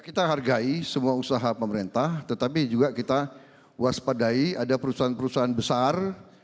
kita hargai semua usaha pemerintah tetapi juga kita waspadai ada perusahaan perusahaan besar